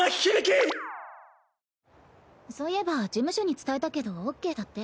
そういえば事務所に伝えたけどオッケーだって。